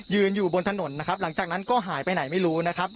อยู่บนถนนนะครับหลังจากนั้นก็หายไปไหนไม่รู้นะครับ